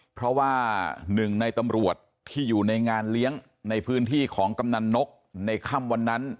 เพราะว่าหนึ่งในตำรวจที่อยู่ในงานเลี้ยงในพื้นที่ของกำนันนกในค่ำวันนั้น